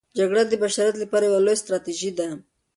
جګړه د بشریت لپاره یوه لویه تراژیدي ده.